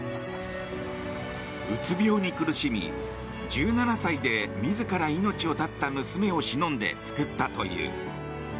うつ病に苦しみ１７歳で自ら命を絶った娘をしのんで作ったという。